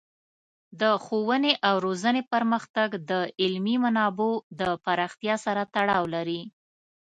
د ښوونې او روزنې پرمختګ د علمي منابعو د پراختیا سره تړاو لري.